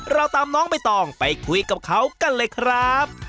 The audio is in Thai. เราตามน้องใบตองไปคุยกับเขากันเลยครับ